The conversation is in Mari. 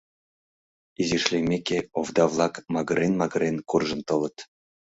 Изиш лиймеке, овда-влак, магырен-магырен, куржын толыт.